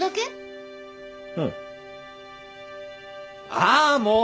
ああもう！